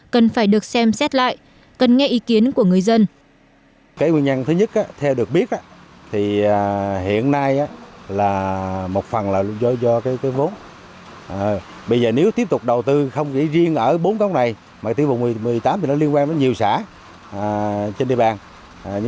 cần phải được xem xét lại cần nghe ý kiến của người dân